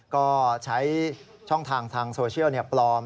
ก็ใช้ช่องทางทางโซเชียลปลอม